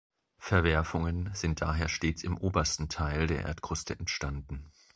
Verwerfungen sind daher stets im obersten Teil der Erdkruste entstanden.